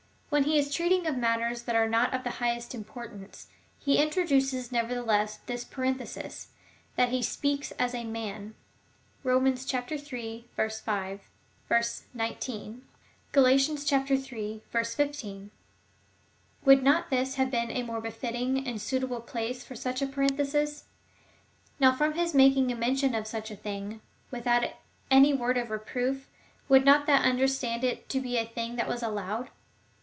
When he is treating of matters that are not of the highest import ance, he introduces nevertheless this parenthesis, that he speaks as a man. (Rom. iii. 5 ; vi. 19 ; Gal. iii. 15.) Would not this have been a more befitting and suitable place for such a parenthesis ? Now from his making mention of such a thing without any word of reproof, who would not under stand it to be a thing that was allowed